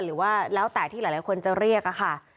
หรือว่าแล้วแต่ที่หลายคนจะเรียกอะค่ะ